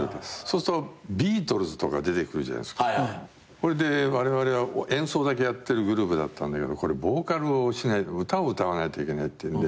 それでわれわれは演奏だけやってるグループだったんだけどボーカルを歌を歌わないといけないっていうんで。